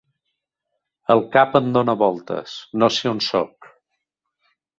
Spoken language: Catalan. El cap em dóna voltes: no sé on sóc.